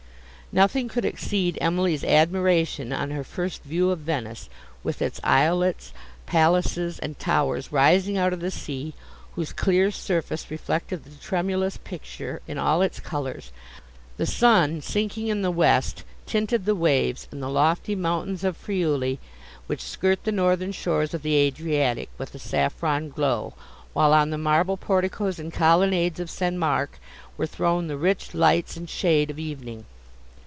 Nothing could exceed Emily's admiration on her first view of Venice, with its islets, palaces, and towers rising out of the sea, whose clear surface reflected the tremulous picture in all its colours. The sun, sinking in the west, tinted the waves and the lofty mountains of Friuli, which skirt the northern shores of the Adriatic, with a saffron glow, while on the marble porticos and colonnades of St. Mark were thrown the rich lights and shades of evening.